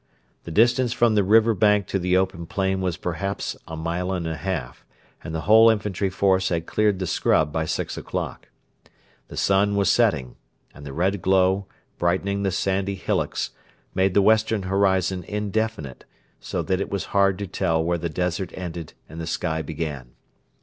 The distance from the river bank to the open plain was perhaps a mile and a half, and the whole infantry force had cleared the scrub by six o'clock. The sun was setting, and the red glow, brightening the sandy hillocks, made the western horizon indefinite, so that it was hard to tell where the desert ended and the sky began.